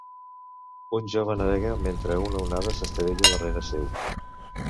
Un jove navega mentre una onada s'estavella darrere seu.